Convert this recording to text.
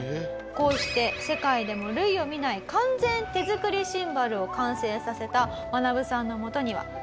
「こうして世界でも類を見ない完全手作りシンバルを完成させたマナブさんのもとには」